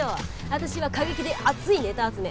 私は過激で熱いネタ集め。